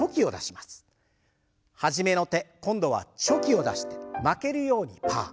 初めの手今度はチョキを出して負けるようにパー。